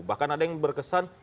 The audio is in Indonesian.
bahkan ada yang berkesan